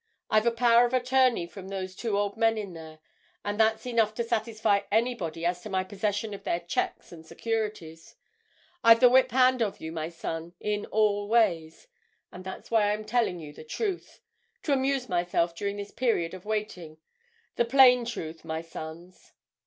I've a power of attorney from those two old men in there, and that's enough to satisfy anybody as to my possession of their cheques and securities. I've the whip hand of you, my sons, in all ways. And that's why I'm telling you the truth—to amuse myself during this period of waiting. The plain truth, my sons!"